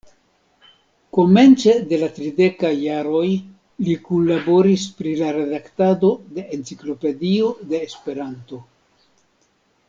Komence de la tridekaj jaroj li kunlaboris pri la redaktado de Enciklopedio de Esperanto.